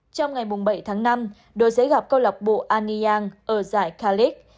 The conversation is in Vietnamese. trong ngày bảy tháng năm đội sẽ gặp cơ lọc bộ anyang ở giải calic